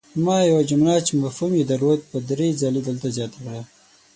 ما یوه جمله چې مفهوم ېې درلود په دري ځلې دلته زیاته کړه!